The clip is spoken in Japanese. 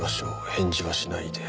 返事はしないで」